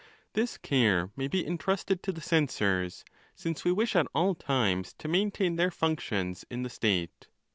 This care may be entrusted to the censors, since we wish at all times to maintain their functions in the state.